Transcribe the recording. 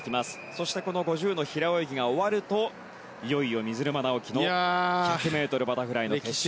そして、５０の平泳ぎが終わるといよいよ水沼尚輝の１００ｍバタフライの決勝。